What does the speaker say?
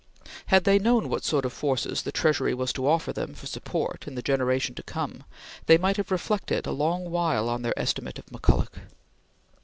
Had they known what sort of forces the Treasury was to offer them for support in the generation to come, they might have reflected a long while on their estimate of McCulloch.